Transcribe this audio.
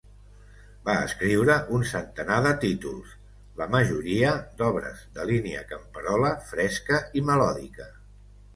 Va escriure un centenar de títols, la majoria d'obres de línia camperola, fresca i melòdica.